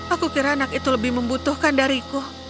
aku kira anak itu lebih membutuhkan dariku